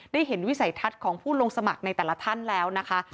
เห็นวิสัยทัศน์ของผู้ลงสมัครในแต่ละท่านแล้วนะคะ